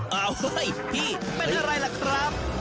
เฮ้ยพี่เป็นอะไรล่ะครับ